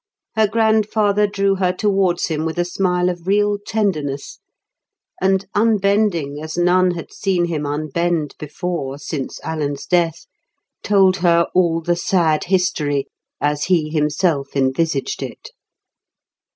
Her grandfather drew her towards him with a smile of real tenderness, and, unbending as none had seen him unbend before since Alan's death, told her all the sad history as he himself envisaged it.